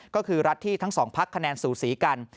ก็คือรัฐที่ทั้งสองพักคะแนนสูสีกัน